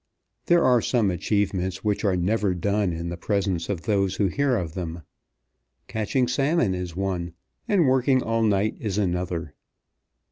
There are some achievements which are never done in the presence of those who hear of them. Catching salmon is one, and working all night is another.